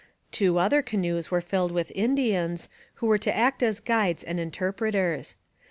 Two other canoes were filled with Indians, who were to act as guides and interpreters.